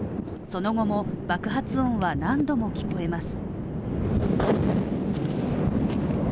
その後も爆発音は何度も聞こえます。